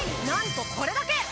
なんとこれだけ！